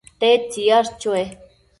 ¿tedtsi yash chue